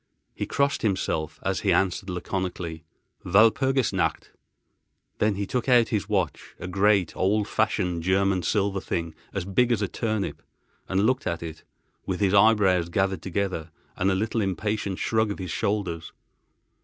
He crossed himself, as he answered laconically: "Walpurgis nacht." Then he took out his watch, a great, old fashioned German silver thing as big as a turnip, and looked at it, with his eyebrows gathered together and a little impatient shrug of his shoulders.